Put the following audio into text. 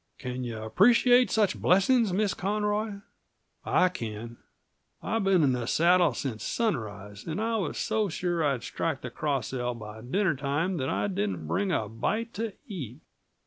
Can you appreciate such blessings, Miss Conroy? I can. I've been in the saddle since sunrise; and I was so sure I'd strike the Cross L by dinner time that I didn't bring a bite to eat.